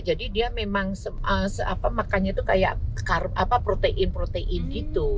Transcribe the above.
jadi dia memang makannya tuh kayak protein protein gitu